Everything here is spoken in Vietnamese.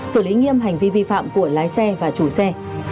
xử lý nghiêm hành vi vi phạm của lái xe và chủ xe